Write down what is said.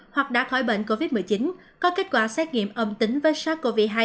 hoặc đã khỏi bệnh covid một mươi chín có kết quả xét nghiệm âm tính với sars cov hai